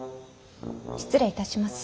失礼いたします。